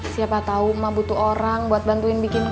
siapa tau emak butuh orang buat bantuin bikin kue